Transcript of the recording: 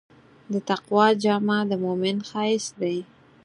د تقوی جامه د مؤمن ښایست دی.